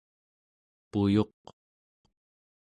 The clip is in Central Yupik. puyuq